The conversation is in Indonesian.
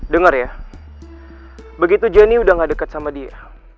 dengar ya begitu jenny udah nggak deket sama dia